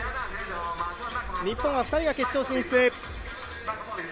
日本は２人が決勝進出。